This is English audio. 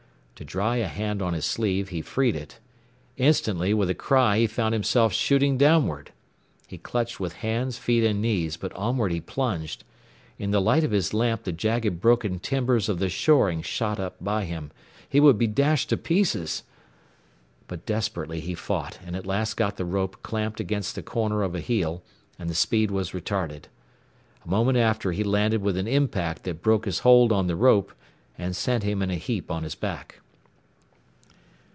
To dry a hand on his sleeve, he freed it. Instantly with a cry he found himself shooting downward. He clutched with hands, feet and knees, but onward he plunged. In the light of his lamp the jagged broken timbers of the shoring shot up by him. He would be dashed to pieces. But desperately he fought, and at last got the rope clamped against the corner of a heel, and the speed was retarded. A moment after he landed with an impact that broke his hold on the rope and sent him in a heap on his back.